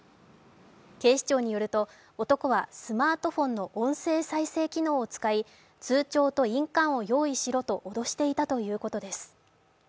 警視庁によると、男はスマートフォンの音声再生機能を使い、通帳と印鑑を用意しろと脅していたということです。